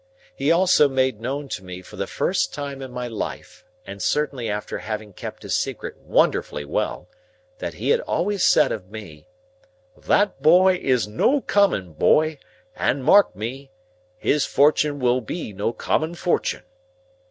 He also made known to me for the first time in my life, and certainly after having kept his secret wonderfully well, that he had always said of me, "That boy is no common boy, and mark me, his fortun' will be no common fortun'."